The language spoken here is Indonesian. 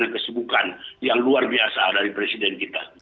kesibukan yang luar biasa dari presiden kita